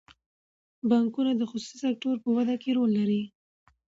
بانکونه د خصوصي سکتور په وده کې رول لري.